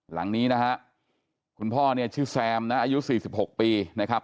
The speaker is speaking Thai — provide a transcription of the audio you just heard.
หลังนี้นะครับคุณพ่อชื่อแซมนะอายุ๔๖ปีนะครับ